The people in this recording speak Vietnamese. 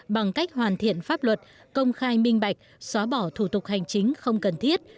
bằng cách hoàn thiện pháp luật công khai minh bạch xóa bỏ thủ tục hành chính không cần thiết